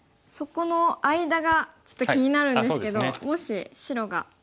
そこの間がちょっと気になるんですけどもし白が。